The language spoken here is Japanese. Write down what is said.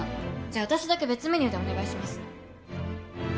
じゃあ私だけ別メニューでお願いします。